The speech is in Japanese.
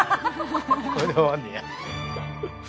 これで終わんねや。